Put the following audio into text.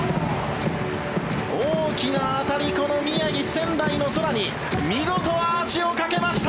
大きな当たりこの宮城・仙台の空に見事、アーチをかけました。